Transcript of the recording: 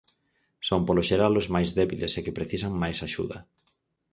Son polo xeral ós máis débiles e que precisan máis axuda.